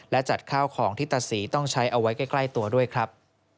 และจัดข้าวของที่ตาศรีต้องใช้เอาไว้ใกล้ตัวด้วยครับ